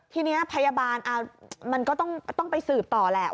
ทีนี้พยาบาลมันก็ต้องไปสืบต่อแหละ